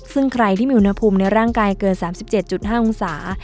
ซึ่งใครที่มีอุณหภูมิในร่างกายเกิน๓๗๕องศา